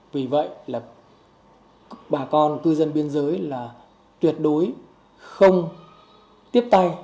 vì vậy là bà con cư dân biên giới là tuyệt đối không tiếp tay